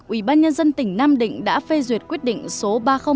ủy ban nhân dân tỉnh nam định đã phê duyệt quyết định số ba nghìn năm mươi ba